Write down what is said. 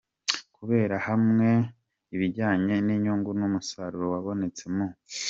Kurebera hamwe ibijyanye n’inyungu n’umusaruro wabonetse mu.